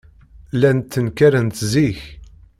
Llant ttenkarent zik.